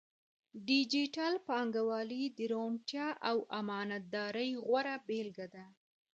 ډیجیټل بانکوالي د روڼتیا او امانتدارۍ غوره بیلګه ده.